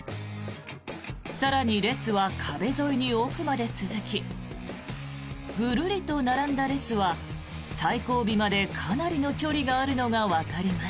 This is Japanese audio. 更に列は壁沿いに奥まで続きぐるりと並んだ列は最後尾までかなりの距離があるのがわかります。